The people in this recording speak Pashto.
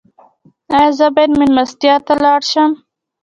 ایا زه باید میلمستیا ته لاړ شم؟